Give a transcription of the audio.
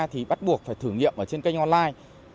thì bắt buộc phải thử nghiệm ở trên kênh online